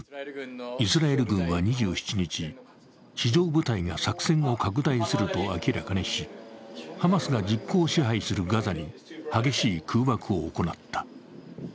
イスラエル軍は２７日、地上部隊が作戦を拡大すると明らかにし、ハマスが実効支配するガザに激しい空爆を行った。